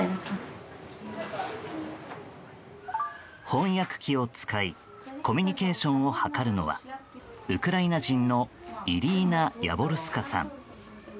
翻訳機を使いコミュニケーションを図るのはウクライナ人のイリーナ・ヤボルスカさん。